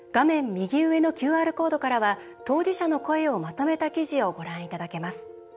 右上のＱＲコードからは当事者の声をまとめた記事をご覧いただけます。